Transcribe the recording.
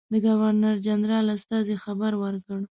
د ګورنرجنرال استازي خبر ورکړ.